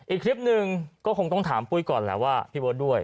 อีกคลิปหนึ่งก็คงต้องถามปุ้ยก่อนแหละว่าพี่เบิร์ตด้วย